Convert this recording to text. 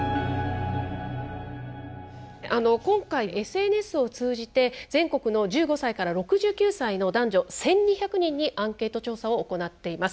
今回ＳＮＳを通じて全国の１５歳から６９歳の男女１，２００人にアンケート調査を行っています。